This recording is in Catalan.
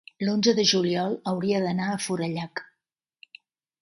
l'onze de juliol hauria d'anar a Forallac.